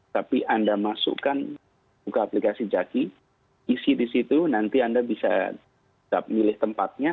tapi anda masukkan buka aplikasi jaki isi di situ nanti anda bisa milih tempatnya